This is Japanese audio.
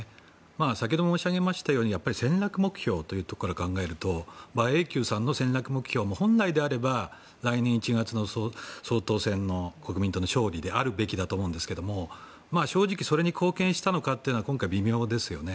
先ほども申し上げたように戦略目標というところから考えると馬英九さんの戦略目標は本来なら、来年１月の総統選の国民党の勝利であるべきだと思いますが正直、それに貢献したのかは今回、微妙ですよね。